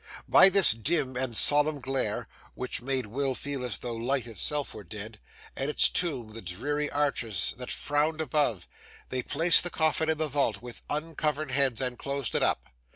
By this dim and solemn glare, which made Will feel as though light itself were dead, and its tomb the dreary arches that frowned above, they placed the coffin in the vault, with uncovered heads, and closed it up.